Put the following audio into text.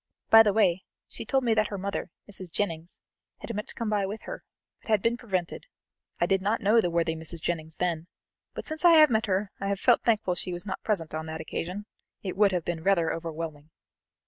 By the way, she told me that her mother, Mrs. Jennings, had meant to come by with her, but had been prevented; I did not know the worthy Mrs. Jennings then, but since I have met her I have felt thankful she was not present on that occasion; it would have been rather overwhelming."